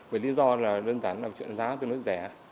vì lý do là đơn giản là chuyện giá tương đối rẻ